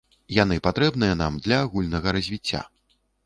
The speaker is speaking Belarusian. Яны патрэбныя нам для агульнага развіцця.